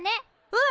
うん！